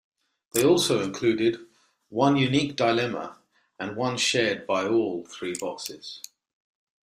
They also included one unique dilemma and one shared by all three boxes.